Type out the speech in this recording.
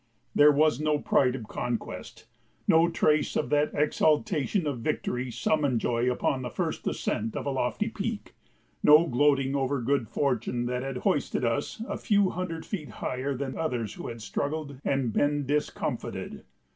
There was no pride of conquest, no trace of that exultation of victory some enjoy upon the first ascent of a lofty peak, no gloating over good fortune that had hoisted us a few hundred feet higher than others who had struggled and been discomfited.